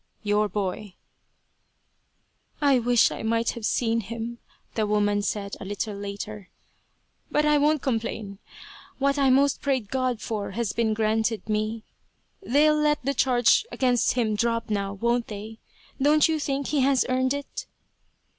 Your Boy." "I wish I might have seen him," the woman said, a little later. "But I won't complain. What I most prayed God for has been granted me." "They'll let the charge against him drop, now, won't they? Don't you think he has earned it?"